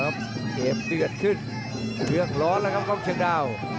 เกมเดือดขึ้นเครื่องร้อนแล้วครับกล้องเชียงดาว